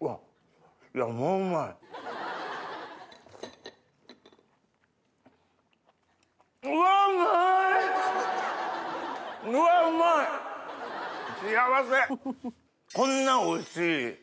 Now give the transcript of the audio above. うわっうまい幸せ。